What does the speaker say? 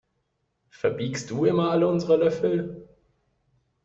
Verbiegst du immer alle unsere Löffel?